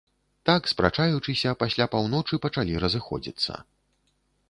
Так спрачаючыся, пасля паўночы пачалі разыходзіцца.